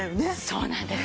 そうなんです。